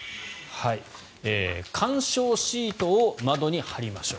緩衝シートを窓に張りましょう。